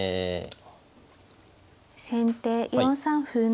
先手４三歩成。